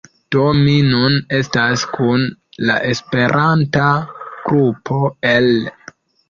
Do mi nun estas kun la Esperanta grupo el